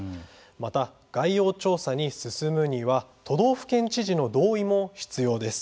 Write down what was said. また、概要調査に進むには都道府県知事の同意も必要です。